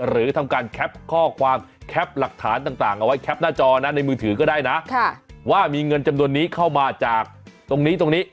หรือทำการแคปข้อความแคปหลักฐานต่างเอาไว้แคปหน้าจอนะในมือถือก็ได้นะว่ามีเงินจำนวนนี้เข้ามาจากตรงนี้ตรงนี้